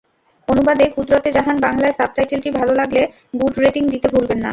অনুবাদে - কুদরতে জাহান বাংলায় সাবটাইটেলটি ভালো লাগলে গুড রেটিং দিতে ভুলবেন না।